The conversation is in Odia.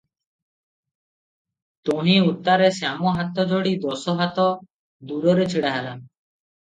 ତହିଁ ଉତ୍ତାରେ ଶ୍ୟାମ ହାତ ଯୋଡ଼ି ଦଶହାତ ଦୂରରେ ଛିଡ଼ାହେଲା ।